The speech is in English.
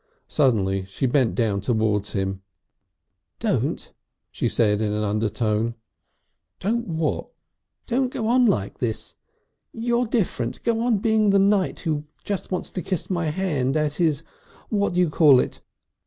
Suddenly she bent down towards him. "Don't!" she said in an undertone. "Don't what?" "Don't go on like this! You're different! Go on being the knight who wants to kiss my hand as his what did you call it?"